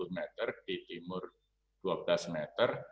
dua puluh meter di timur dua belas meter